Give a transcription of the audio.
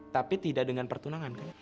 tapi tidak dengan pertunangan